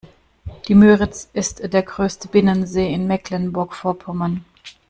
Die Müritz ist der größte Binnensee in Mecklenburg Vorpommern.